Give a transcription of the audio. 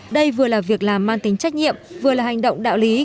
đây vừa là việc làm mang tính trách nhiệm vừa là hành động đạo lý